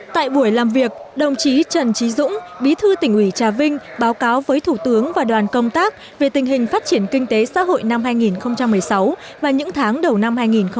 tại buổi làm việc đồng chí trần trí dũng bí thư tỉnh ủy trà vinh báo cáo với thủ tướng và đoàn công tác về tình hình phát triển kinh tế xã hội năm hai nghìn một mươi sáu và những tháng đầu năm hai nghìn một mươi chín